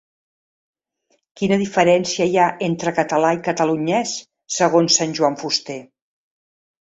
Quina diferència hi ha entre 'català' i 'catalunyès', segons Sant Joan Fuster?